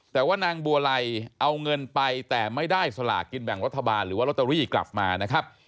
แต่ว่านางบัวไรเอาเงินไปแต่ไม่ได้สลากกินแบ่งลอตเตอรี่กลับมานะครับ